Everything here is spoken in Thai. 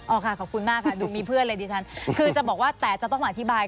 ค่ะขอบคุณมากค่ะดูมีเพื่อนเลยดิฉันคือจะบอกว่าแต่จะต้องมาอธิบาย